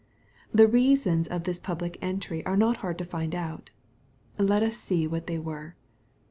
The reasons of this public entry are not hard to find out. — Let us see what they were.